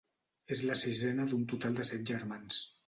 És la sisena d'un total de set germans.